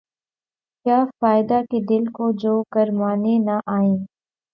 کیا فائدہ کہ دل کو جو گرمانے نہ آئیں